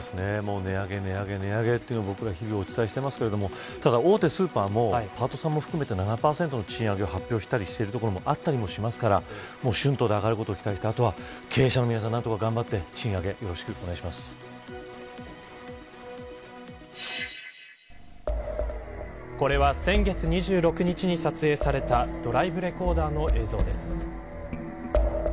値上げ、値上げとお伝えしてますけど大手スーパーもパートさんも含めて７％の賃上げを発表しているところもありますから春闘で上がることを期待して経営者の皆さんもこれは先月２６日に撮影されたドライブレコーダーの映像です。